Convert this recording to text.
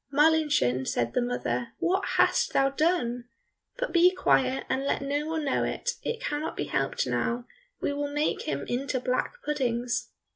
"Marlinchen," said the mother, "what hast thou done? but be quiet and let no one know it; it cannot be helped now, we will make him into black puddings."